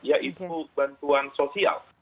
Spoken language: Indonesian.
yaitu bantuan sosial